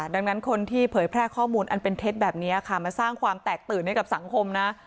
ดังนั้นคนที่เผยแพร่ข้อมูลอันเป็นเท็จแบบนี้ค่ะมาสร้างความแตกตื่นให้กับสังคมนะ